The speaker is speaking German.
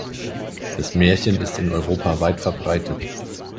Das Märchen ist in Europa weit verbreitet.